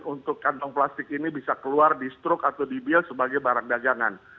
untuk kantong plastik ini bisa keluar di struk atau di bill sebagai barang dagangan